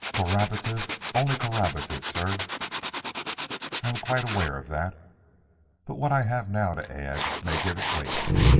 "Corroborative, only corroborative, sir? I am quite aware of that. But what I have now to add may give it weight.